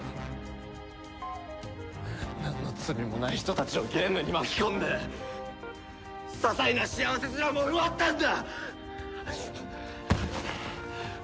なんの罪もない人たちをゲームに巻き込んで些細な幸せすらも奪ったんだ！